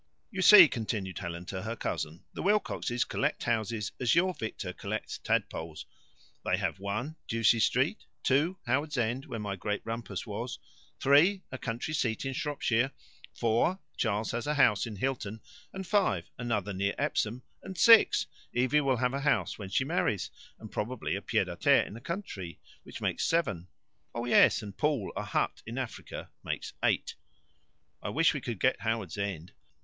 "You see," continued Helen to her cousin, "the Wilcoxes collect houses as your Victor collects tadpoles. They have, one, Ducie Street; two, Howards End, where my great rumpus was; three, a country seat in Shropshire; four, Charles has a house in Hilton; and five, another near Epsom; and six, Evie will have a house when she marries, and probably a pied a terre in the country which makes seven. Oh yes, and Paul a hut in Africa makes eight. I wish we could get Howards End.